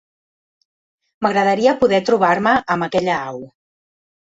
M'agradaria poder trobar-me amb aquella au.